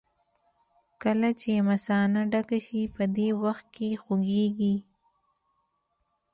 کله چې مثانه ډکه شي په دې وخت کې خوږېږي.